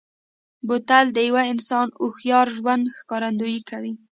بوتل د یوه انسان هوښیار ژوند ښکارندوي کوي.